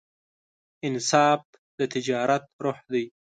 انصاف د تجارت روح دی.